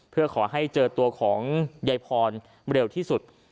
เพื่อขอให้เจอตัวของยายพรเร็วที่สุด